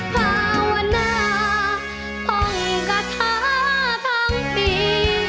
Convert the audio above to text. ภาวนาท่องกระทะทั้งปี